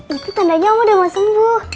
itu tandanya om udah mau sembuh